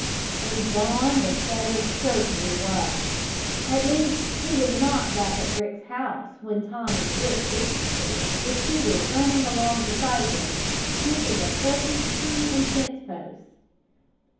And gone the setter certainly was at least he was not back at Rick's house when Tom and Rick reached there, with Peter running along beside them, sniffing at every tree and fence post.